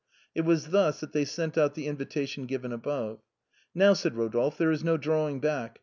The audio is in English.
It was thus that they sent out the invitation given above. " Now," said Eodolphe, " there is no drawing back.